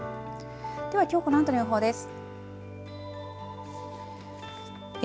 ではきょうこのあとの予報です。